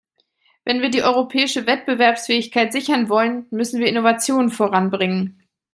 Wenn wir die europäische Wettbewerbsfähigkeit sichern wollen, müssen wir Innovationen voranbringen.